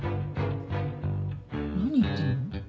何言ってるの？